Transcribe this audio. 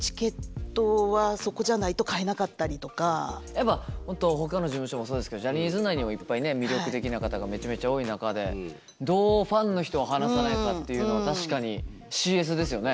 やっぱ本当ほかの事務所もそうですけどジャニーズ内にもいっぱいね魅力的な方がめちゃめちゃ多い中でどうファンの人を離さないかっていうのは確かにＣＳですよね。